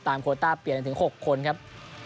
โคต้าเปลี่ยนกันถึง๖คนครับ